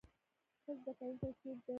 ښه زده کوونکی څوک دی؟